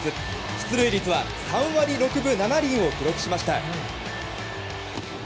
出塁率は３割６分７厘を記録しました。